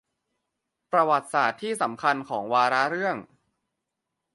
ประวัติศาสตร์ที่สำคัญของวาระเรื่อง